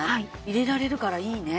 入れられるからいいね。